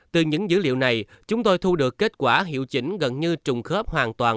từ những dữ liệu này chúng tôi thu được kết quả hiệu chỉnh gần như trùng khớp hoàn toàn